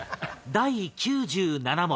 第９７問。